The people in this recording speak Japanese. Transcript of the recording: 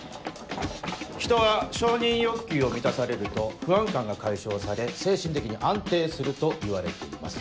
人は承認欲求を満たされると不安感が解消され精神的に安定するといわれています。